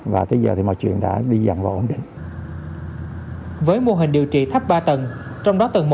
và tới giờ thì mọi chuyện đã bị dặn vào ổn định với mô hình điều trị thấp ba tầng trong đó tầng một